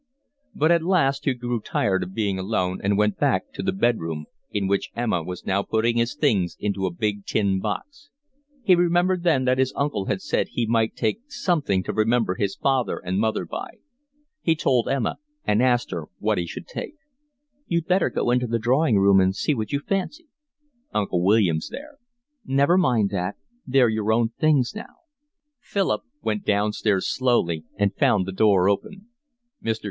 But at last he grew tired of being alone and went back to the bed room, in which Emma was now putting his things into a big tin box; he remembered then that his uncle had said he might take something to remember his father and mother by. He told Emma and asked her what he should take. "You'd better go into the drawing room and see what you fancy." "Uncle William's there." "Never mind that. They're your own things now." Philip went downstairs slowly and found the door open. Mr.